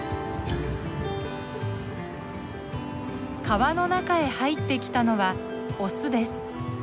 川の中へ入ってきたのはオスです。